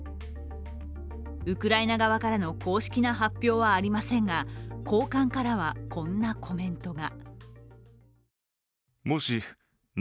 ウクライナ側からの公式な発表はありませんが交換からはこんなコメントが。